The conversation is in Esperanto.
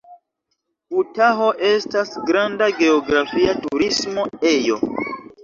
Utaho estas granda geografia turismo ejo.